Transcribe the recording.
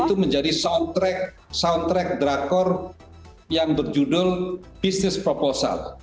itu menjadi soundtrack soundtrack drakor yang berjudul business proposal